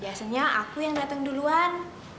biasanya aku yang datang duluan